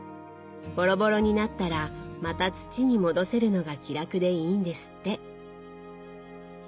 ボロボロになったらまた土に戻せるのが気楽でいいんですって。